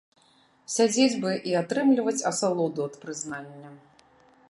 Сядзець бы і атрымліваць асалоду ад прызнання.